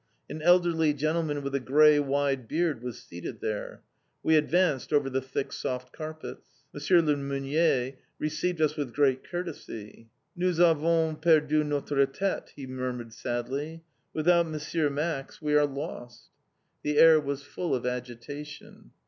An elderly gentleman with a grey wide beard was seated there. We advanced over the thick soft carpets. M. le Meunier received us with great courtesy. "Nous avons perdu notre tête!" he murmured sadly. "Without M. Max we are lost!" The air was full of agitation.